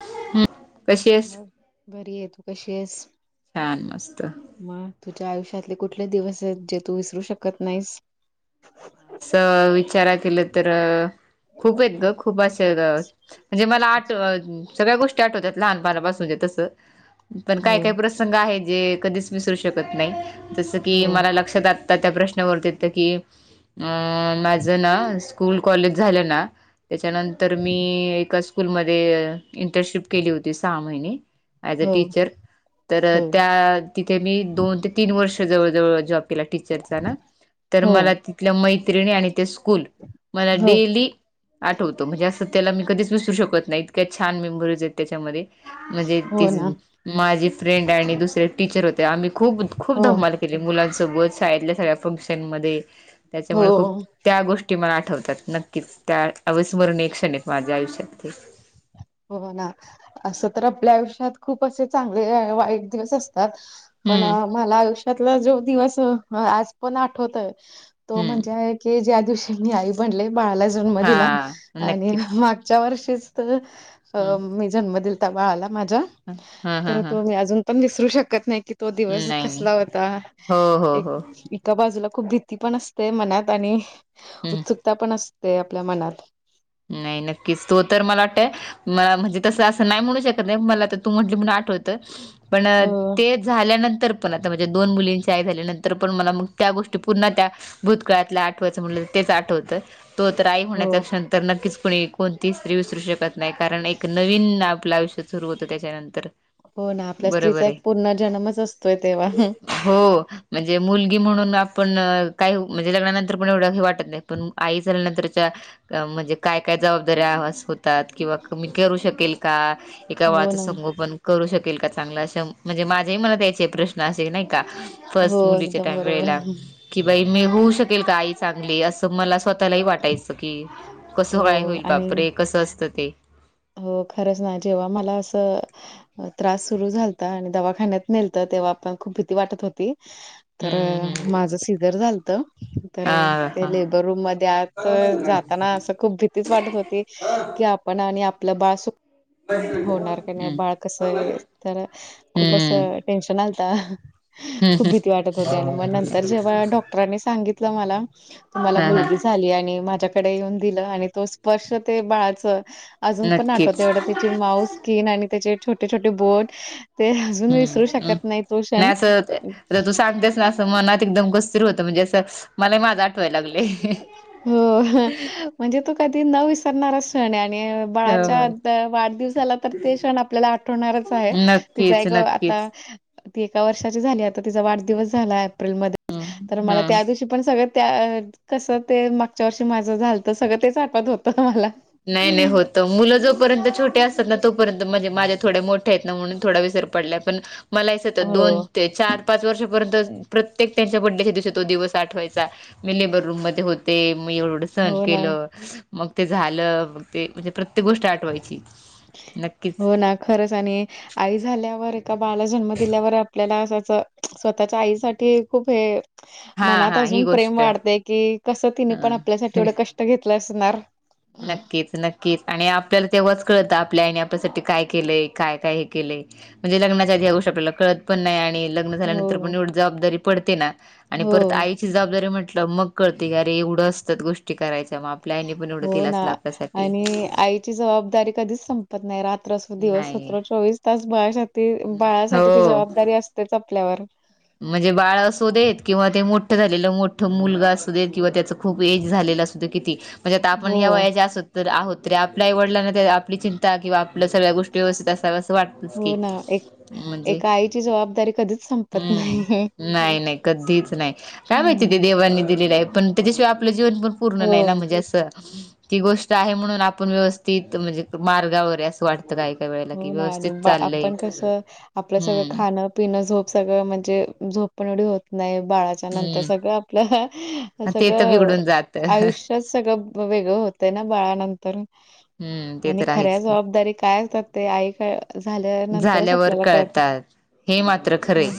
[unintelligible] हा मग बरी आहे. तू कशी आहेस? छान मस्त. मग तुझ्या आयुष्यातले कुठले दिवस आहेत जे तू विसरू शकत नाहीस? अस विचारात केलं तर खूप आहेत ग खूप असं म्हणजे मला आठ सगळ्या गोष्टी आठवत्याात लहान पणा पासून जे तस पण काय, हो, काय प्रश प्रसंग आहे जे कधीच विसरू शकत नाही जसकी हो, मला लक्षात त्या त्या प्रश्नावरते त कि अ माझना स्कूल कॉलेज झालना त्याच्यानंतर मी एका स्कूलमध्ये इंटरशिप केली होती सहा महिने ऍजअ हो, टीचर तर हो, त्या तिथे मी दोन ते तीन वर्ष जवळ जवळ जॉब केला टीचरचाना तर हो, मला तिथल्या मैत्रिणी आणि ते स्कूल मला हो, डेली आठवतो म्हणजे असं त्याला मी कधीच विसरू शकत नाही इतक्या छान मेंबरस आहेत त्याच्यामध्ये. म्हणजे हो तीच. ना, माझी फ्रेंड आणि दुसरे टीचर होते. आम्ही खूप खूप हो, धमाला केली. मुलांसोबत. शाळेतल्या सगळ्या फंक्शन मध्ये. त्याच्यामुळे खूप हो, त्या गोष्टी मला आठवतात. नक्कीच त्या अविस्मरणीय क्षण आहेत. माझ्या आयुष्यात ते. हो ना असं तर आपल्या आयुष्यात खूप असे, चांगले वाईट दिवस अस तात. पण हम्म मला आयुष्यातला जो दिवस. आज पण आठवतय तो हम्म म्हणजे की, ज्या दिवशी मी आई बनले. बाळाला जन्म दिला. हा आणि नक्कीच मागच्या वर्षीत हम्म मी जन्म दिला. बाळाला माझा. हा हा तर हा तो अजून पण विसरू शकत नाही. की तो दिवस नाही नाही कसला होता. हो हो एक हो एका बाजूला खूप भीती पण असते मनात. आणि हम्म उत्सुकता पण असते. आपल्या मनात. नाही नक्कीच. तो तर मला वाटतंय मला म्हणजे तसं असं नाही म्हणू शकत नाही. मला तर तू म्हटली म्हणून आठवत. पण अ, ते झाल्यानंतर. पण आता. माझ्या दोन मुलींची आई झाल्यानंतर पण. मला मग त्या. गोष्टी पुन्हा त्या भूतकाळातल्या आठवचं म्हणलं म. तेच आठवतं. तो तर, आई हो होण्याचा क्षण तर, नक्कीच कोणी कोणती स्त्री विसरू शकत नाही. कारण एक नवीन आपलं आयुष्यत सुरू होतं. त्याच्यानंतर. हो ना. आपल्या बरोबर स्त्रीचा एक आहे. पूर्ण जन्मच. असतोय तेव्हा. हो. म्हणजे मुलगी म्हणून आपण काही. म्हणजे लग्नानंतर पण एवढं वाटत नाही. पण आई झाल्या नतंर च्या, म्हणजे काय काय जबाबदारी्या होतात. किंवा क मी करू शकेल का? एका हो बाळाचं ना संगोपन करू शकेल का चांगलं? असं म्हणजे माझ्याही मणात यायचे प्रश्न असे. नाही का? हो फर्स्ट मुलीच्या एकदम त्या बरोबर वेळेला. कि बाई मी होऊ शकेल का आई चांगली. असं मला स्वतःलाही वाटायचं. की, कसं काय हो होईल. आणि बापरे कसं असतं ते. हो. खरंच ना. जेव्हा मला असं त्रास सुरू झालत. आणि दवाखान्यात नेलत. तेव्हा पण खूप भीती वाटत होती. तर, हम्म हम्म माझं सिझर झालत. तर, ते हा लेबर रूम मध्ये आत जाताना. असं खूप भत तीच वाटत होती. हा की, आपण आणि आपलं बाळ सुखकर हा होणार का नाही? बाळ कस आहे. तर खूप असं टेन्शन आलत. खूप भीती वाटत होते. आणि म नंतर जेव्हा डॉक्टरांनी सांगित तला मला. तुम्ही हा मुली झाली. आणि माझ्या कडे येऊन दिलं. आणि तो स्पर्श ते बाळाच अजून पण नक्कीच आठवत ऐवढ ते ती माऊस स्किन. आणि त्याचे छोटे छोटे बोट. ते. अजून विसरू हम्म शकत नाही. तो क्षण. सांगतेच न [unintelligible] मनात एकदम कस्तिर होत. म्हणजे असं. मलाही माझं आठवाय लागलय. हो. म्हणजे तो कधी न विसरणारा क्षणे. आणि होय बाळाच्या वाढदिवसाला तर, ते क्षण आपल्याला आठवणारच आहे. तिचं आहे नक्कीच ग. आता. नक्कीच ती एका वर्षाची झाली आता. तिचा वाढदिवस झाला एप्रिलमध्ये. तर हम्म मला हम्म त्या दिवशी पण सगळं त्या. कसं ते मागच्या वर्षी माझं झालत. सगळं तेच आठत होतं मला. नाही. नाही. होत त. मुलं जोपर्यंत छोटे असतात ना तोपर्यंत. म्हणजे माझ्या थोडे मोठ्या आहेत ना म्हणून थोडा विसर पडलाय. पण मला ते होते. दोन हो ते चार पाच वर्षापर्यंत. प्रत्येक त्यांच्या बड्डेच्या दिवसी. तो दिवस आठवायचा. मी लेबर रूम मध्ये होते. म एवढं एवढस सण हो ना. केलं मग ते झालं. मग ते. म्हणजे प्रत्येक गोष्ट आठ ठवायची. नक्कीच. हो ना खरंच. आणि आई झाल्यावर एका बाळाला जन्म दिल्यावर आपल्याला असाच स्वतःच्या आईसाठी खूप हे. हा मनात हा ही अजून प्रेम गोष्ट वाढतेय की कसं तिने पण आपल्यासाठी हा एवढं कष्ट घेतलं असणार. नक्कीच नक की आणि आपल्याला तेव्हाच कळतं आपल्या आईने आपल्यासाठी काय केलंय काय काय हे केलंय. म्हणजे लग्च्या आधी गोष्ट आपल्याला कळत पण नाही आणि ल लग्न झाल्यानंतर हो. एवढी जबाबदारी पडते ना परत हो. आई. ती जबाबदारी म्हटलं मग कळते क अरे एवढं असतात गोष्टी करायच्या मग आपल्या आईने पण एवढं. हो केलं ना असेल आपल्यासाठी. आणि आई. ती जबदारी कधीच संपत नाही रात्र दिवस नाही. चोवीस तास ब [unintelligible] ती बाळासाठी ती हो. जबाबदारी असतेच आपल्यावर. म्हणजे बाळ असू देत किंवा ते मोठं झालेलं मोठं मुलगा असू देत किंवा त्याच. खूप एज झालेलं असतं किती म्हणजे आता आपण ह्या हो. वया ज असोत. तर आहोत रे आपल्या आईवडलां आपली चिंता किंवा. आपल्या सगळ्या गोष्टी व्यवस्थित असाव असं वाटतच की म्हणजे. जबदारी कधीच सं हम्म नाही नाही कधीच नाही काय माहिती ते हं. देवांनी दिलेलं आहे पण. त्याच्याशिवाय आपलं जीवन पण पूर्ण नाही ना हो. म्हणजे असं. ती गोष्ट आहे म्हणून आपण व्यवस्थित म्हणजे मार्गावर असं वाटत. काय काय वेळ. हो ना आणि आपण कसं आपलं सगळं हम्म खाणं. पिणं झोप सगळं म्हणजे झोप पण एवढी होत नाही बाळाच्या नंतर हम्म सगळं आपलं. ह ते तर सगळं बिघडून जात आयुष्यात सगळं वेगळं होतंय ना बाळानंतर. हम्म ते आणि तर खऱ्या आहेच की जबाबदारी काय कर ते आई का. झाल्यावर कळतात हे मात्र खरे. हं.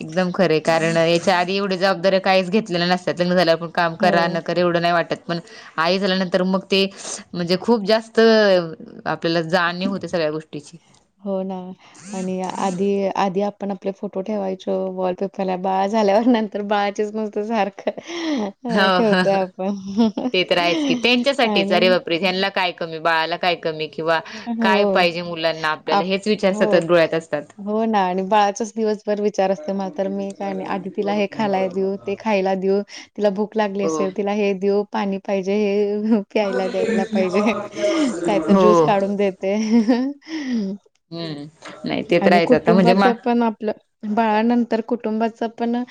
एकदम खरे कारण याच्या आधी एवढ्या जबाबदऱ्या काहीच घेतलेल्या नसतात लग्न झालेव. मग काम करा हो, न करा. एवढ नाही वाटत पण आई झाल्यानंतर मग ते म्हणजे खूप जास्त. आपल्याला जाणीव होते सगळ्या गोष्टीची. हो ना आणि आधी आधी आपण. आपले फोटो ठेवायच वॉलपेपरला बाळा झाल्यावर नंतर बाळाचेच मस्त सारखं. होय हो हो ठेवतोय आपण आणि. रिजन ला काय कमी बाळाला. काय कमी किंवा काय हो. पाहिजे मुलांना आपल्याला आप हेच विचार हो. सतत डोळ्यात असतात. हो ना आणि बाळाचाच दिवसभर विचार असते मला तर मी काय नाही आदितीला हे खालाय देऊ. ते खायला देऊ तिला भूक लागली हो असेल तिला हे देऊ पाणी पाहिजे हे हे हे. प्यायला द्यायला पाहिजे काय तर ज्यूस हो काढून देते. हम्म नाही ते तर आणि आहेच आता म्हणजे कुटुंबाच मा पण आपलं. बाळानंतर कुटुंबाचं पण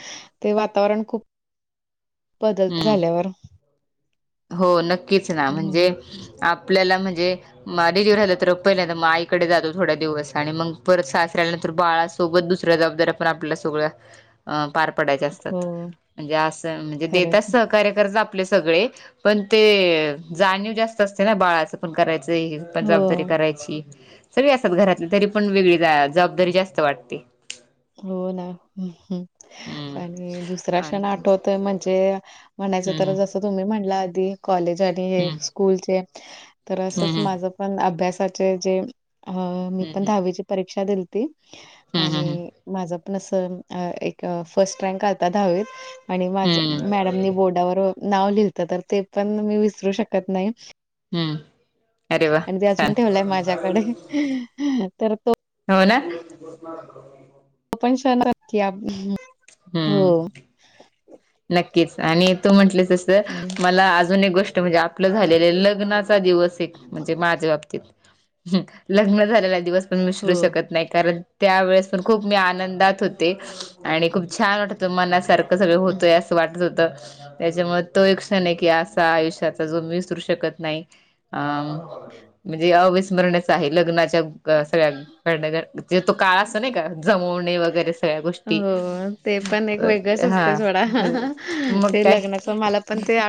ते वातावरण खूप. बदल हम्म झाल्यावर. हो नक्कीच ना म्हणजे हो, आपल्याला म्हणजे. मग आधीच येऊन राहिलं तर पहिल्यांदा आईकडे जातो थोड्या दिवस आणि मग परत सासऱल्यानंतर बाळाच. सोबत दुसऱ्या जबाबदाऱ्या पन आपल्या सगळ्या. [inaudible] अ पार पडायचे असतात हो. म्हणजे असं म्हणजे खरंच. देताच सहकार्य करत आपले सगळे. पण ते जाणीव जास्त असते ना बाळाच. पण करायचं पण हो, जबदारी करायची. सगळे असतात घरातले तरी पण वेगळी जबाबदारी जास्त वाटते. हो ना हम्म आणि दुसरा आणि क्षण आठवतोय म्हणजे. म्हणायचं तर हम्म जसं तुम्ही म्हणला आधी. कॉलेज आणि हे हम्म स्कूलचे तर असंच हम्म माझ पण अभ्यासाचे जे. अ मी हम्म पण हम्म दहावीची परीक्षा दिलती हम्म हम्म हम्म आणि? जप न सन, आ एक फर्स्ट रँक आल्ता दहावीत. आणि माझ हम्म हम्म मॅडमनी बोर्डावर नाव लिव्हत, तर ते पण मी विसरू शकत नाही. हूं! आणि ते अजून ठेवलंय माझ्याकडे तर तो. हो ना! [unintelligible] हो हूं नक्कीच आणि तू म्हंटलं तस आणि मला आज अजून एक गोष्ट म्हणजे, आपलं झालेले लग्नाचा दिवस एक म्हणजे, माझ्या बाबतीत. लग्न झालेला दिवस पण मिसरू हो. शकत नाही कारण? त्यावेेळेस पण खूप मी आनंदात होते, आणि खूप छान वाटत होत मनासारखं सगळं. तुया असं वाटत होत. त्याच्यामुळे तो एक क्षण हे कि असा आयुष्याचा, जो मी विसरू शकत नाही अं म्हणजे अविस्मरणच आहे लग्नाच्या क सगळ्या भडनगर ये तो काळ अस नही का जमून मि वैगेरे सगळ्या गोष्टी हो, ते पण एक वेगळंच असते हा! सोडा. ह मग काय?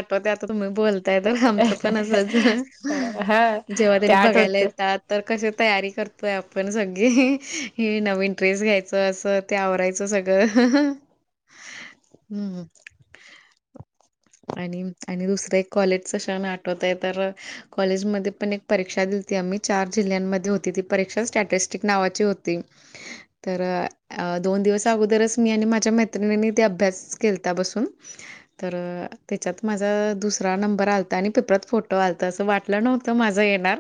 बघा आता तू मं बोल. तया तर आमचं पण असच, हा जेव्हा ते त्यांनी बघायला आठवत येतात तर कसे तयारी करतोय आपण, सगळे हे नवीन ड्रेस घ्याय च अस ते आवरायचं सगळं. आणि आणि दुसरं एक कॉलेजच क्षण आठवत आहे तर कॉलेजमध्ये पण एक परीक्षा दिलती आम्ही, चार जिल्ह्यांमध्ये होती ती परीक्षा, स्टॅटिस्टिक नावाची होती. तर अ दोन दिवस अगोदरच मी आणि माझ्या मैत्रिणीनी ते अभ्यास केलता बसून. तर त्याच्यात माझा दुसरा नंबर आलता, आणि पेपरात फोटो आलता, असं वाटलं नव्हतं माझं येणार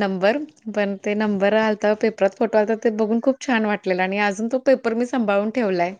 नंबर, पण ते नंबर आलता पेपरात फोटो आलता, ते बघून खूप छान वाटलेल, आणि अजून तो पेपर मी संभाळून ठेवलाय.